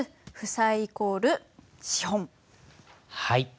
はい。